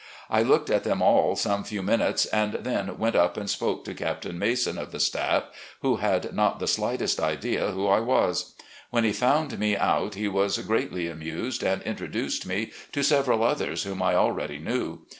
I looked at them all some few minutes, and then went up and spoke to Captain Mason of the staff, who had not the slightest idea who I was. When he fo\md me out he was greatly amused, and introduced me to several others whom I already knew.